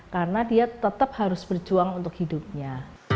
karena dia tetap harus berjuang untuk hidupnya